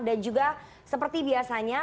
dan juga seperti biasanya